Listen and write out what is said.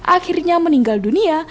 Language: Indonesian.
akhirnya meninggal dunia